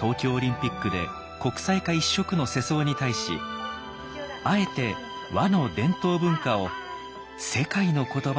東京オリンピックで国際化一色の世相に対しあえて和の伝統文化を世界の言葉で伝えました。